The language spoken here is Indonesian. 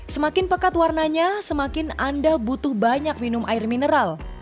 semakin pekat warnanya semakin anda butuh banyak minum air mineral